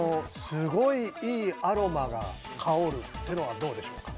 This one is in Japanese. すごいいいアロマが香るっていうのはどうでしょうか。